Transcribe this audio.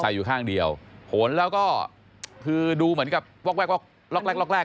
อยู่ข้างเดียวผลแล้วก็คือดูเหมือนกับวอกแวกวักแรกล็อกแรก